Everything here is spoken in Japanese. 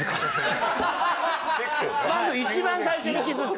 まず一番最初に気づく。